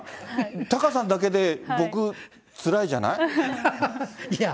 タカさんだけで、僕、つらいじゃない。